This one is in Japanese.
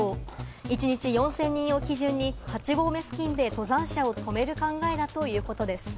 一日４０００人を基準に８合目付近で登山者を止める考えだということです。